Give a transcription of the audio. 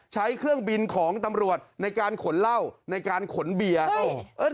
ใช้เครื่องบินของตำรวจในการขนเหล้าในการขนเบียร์